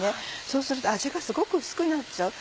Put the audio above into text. そうすると味がすごく薄くなっちゃう。